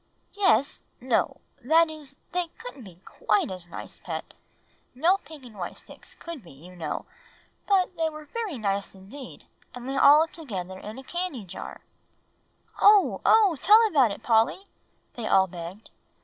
"Yes no; that is, they couldn't be quite as nice, Pet. No pink and white sticks could be, you know. But they were very nice indeed, and they all lived together in a candy jar." "Oh oh! Tell about it, Polly," they all begged.